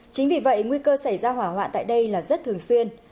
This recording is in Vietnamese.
chính vì vậy nguy cơ xảy ra hỏa hoạn tại đây là rất thường xuyên